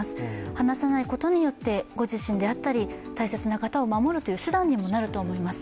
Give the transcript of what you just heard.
話さないことによってご自身であったり大切な方を守るという手段にもなると思います